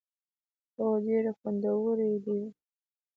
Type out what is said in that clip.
هو، ډیری خوندورې دي